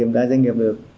đã doanh nghiệp được